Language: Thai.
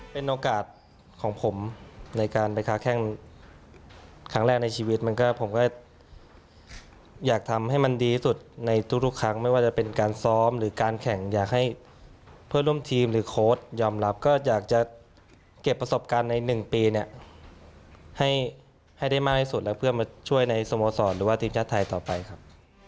เป็นโอกาสของผมในการไปค้าแข้งครั้งแรกในชีวิตมันก็ผมก็อยากทำให้มันดีที่สุดในทุกครั้งไม่ว่าจะเป็นการซ้อมหรือการแข่งอยากให้เพื่อนร่วมทีมหรือโค้ดยอมรับก็อยากจะเก็บประสบการณ์ใน๑ปีเนี่ยให้ได้มากที่สุดแล้วเพื่อมาช่วยในสโมสรหรือว่าทีมชาติไทยต่อไปครับ